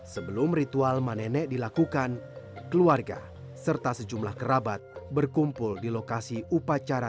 sebelum ritual manenek dilakukan keluarga serta sejumlah kerabat berkumpul di lokasi upacara